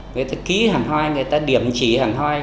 người ta ký hàng hoa người ta điểm chỉ hàng hoa